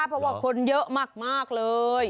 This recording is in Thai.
เพราะว่าคนเยอะมากเลย